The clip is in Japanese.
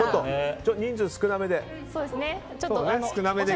人数少なめで。